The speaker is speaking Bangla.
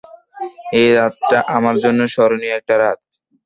এই রাতটা আমার জন্য স্মরণীয় একটা রাত!